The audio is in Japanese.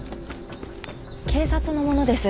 警察の者です。